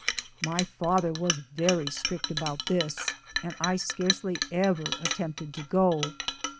My father was very strict about this and I scarcely ever attempted to go.